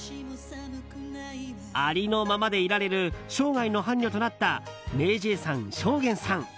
ありのままでいられる生涯の伴侶となったＭａｙＪ．さん、尚玄さん。